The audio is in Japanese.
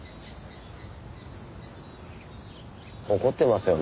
怒ってますよね